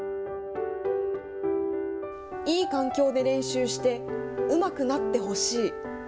いい環境で練習してうまくなってほしい。